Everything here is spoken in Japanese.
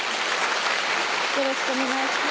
よろしくお願いします。